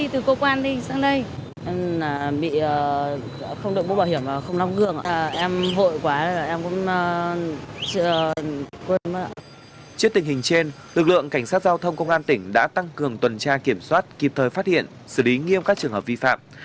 trước tình hình trên lực lượng cảnh sát giao thông công an tỉnh đã tăng cường tuần tra kiểm soát kịp thời phát hiện xử lý nghiêm các trường hợp vi phạm